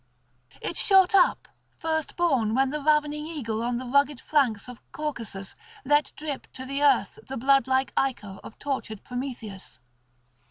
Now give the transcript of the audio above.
It shot up first born when the ravening eagle on the rugged flanks of Caucasus let drip to the earth the blood like ichor of tortured Prometheus.